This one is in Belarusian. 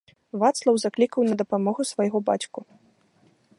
Вацлаў заклікаў на дапамогу свайго бацьку.